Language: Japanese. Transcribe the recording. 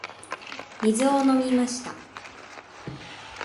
水を飲みました。